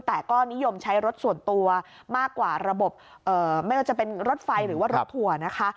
แต่ก็นิยมใช้รถส่วนตัวมากกว่าระบบไม่ว่าจะเป็นรถไฟหรือว่ารถทัวร์นะคะ